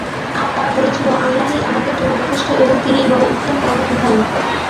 আর তারা বলেছিল, আল্লাহই আমাদের জন্যে যথেষ্ট এবং তিনি বড়ই উত্তম কর্ম-বিধায়ক।